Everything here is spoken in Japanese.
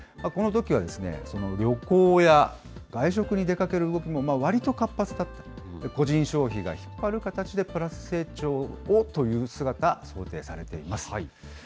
このときは、旅行や外食に出かける動きもわりと活発で、個人消費が引っ張る形でプラス成長をという姿、想定されています。